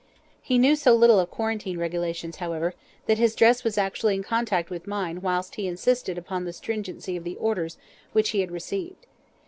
He knew so little of quarantine regulations, however, that his dress was actually in contact with mine whilst he insisted upon the stringency of the orders which he had received.